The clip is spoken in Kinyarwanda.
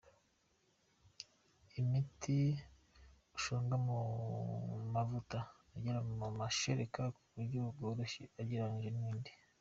Imiti ishonga mu mavuta igera mu mashereka ku buryo bworoshye ugereranyije n’indi.